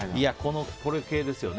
これ系ですよね。